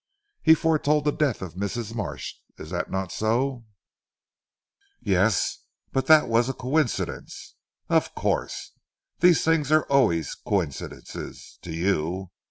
he foretold the death of Mrs. Marsh. Is it not so?" "Yes! But that was a coincidence." "Of course. These things are always coincidences to you.